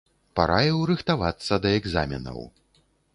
Параіў рыхтавацца да экзаменаў.